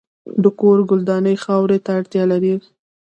د کور ګلداني خاورې ته اړتیا لرله.